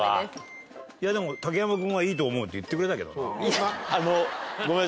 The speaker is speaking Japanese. いやでも竹山君は「いいと思う」って言ってくれたけどな。